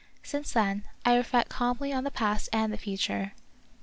Since then, I reflect calmly on the past and the future.